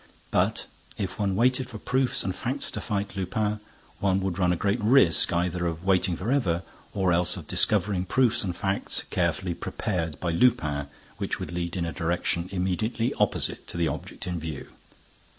But, if one waited for proofs and facts to fight Lupin, one would run a great risk either of waiting forever or else of discovering proofs and facts carefully prepared by Lupin, which would lead in a direction immediately opposite to the object in view.